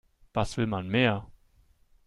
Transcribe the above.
Was will man mehr?